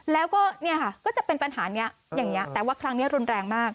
แล้วก็จะเป็นปัญหาอย่างนี้แต่ว่าครั้งนี้ร้อนแรงมาก